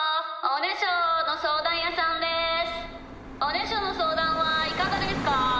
おねしょのそうだんはいかがですか」。